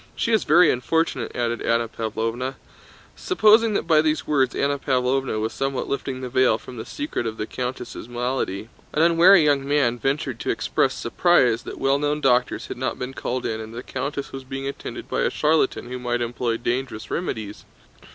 She is very unfortunate!" added Anna Pávlovna. Supposing that by these words Anna Pávlovna was somewhat lifting the veil from the secret of the countess' malady, an unwary young man ventured to express surprise that well known doctors had not been called in and that the countess was being attended by a charlatan who might employ dangerous remedies.